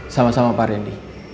sama sama pak rendy